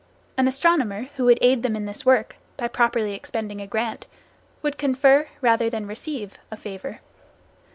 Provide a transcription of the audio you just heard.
An astronomer who would aid them in this work, by properly expending a grant, would confer rather than receive a favor.